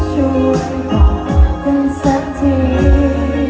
ถึงเจอแบบไหน